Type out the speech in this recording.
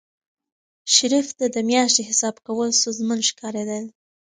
شریف ته د میاشتې حساب کول ستونزمن ښکارېدل.